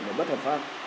mà bất hợp pháp